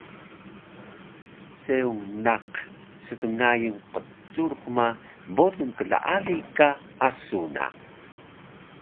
Seung naq stngayun qcurux ma bolung klaali ka asu na